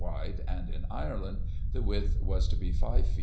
wide, and in Ireland, the width was to be 5 ft.